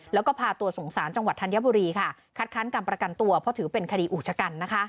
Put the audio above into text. แล้วก็พาตัวสงสารจังหวัดธัญบุรีคัดคั้นกรรมประกันตัวเพราะถือเป็นคดีอุจจกร